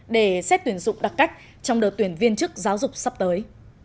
để xét tuyển dụng đặc cách trong đợt tuyển viên chức giáo dục sắp tới